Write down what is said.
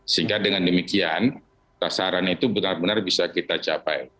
sehingga dengan demikian sasaran itu benar benar bisa kita capai